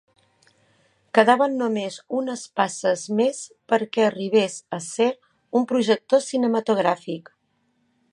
Quedaven només unes passes més perquè arribés a ser un projector cinematogràfic.